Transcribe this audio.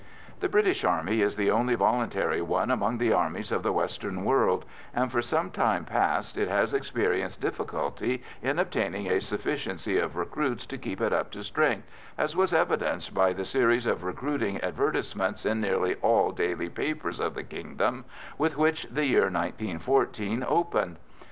The British Army is the only voluntary one among the armies of the Western world, and for some time past it has experienced difficulty in obtaining a sufficiency of recruits to keep it up to strength, as was evidenced by the series of recruiting advertisements in nearly all daily papers of the kingdom with which the year 1914 opened.